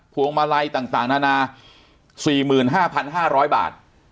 วงมาลัยต่างนานา๔๕๕๐๐บาท